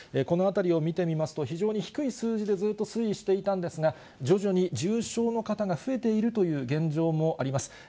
この辺りを見てみますと、非常に低い数字でずっと推移していたんですが、徐々に重症の方が増えているという現状もあります。